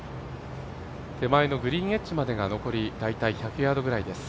手前のグリーンエッジまでが大体、残り１００ヤードぐらいです。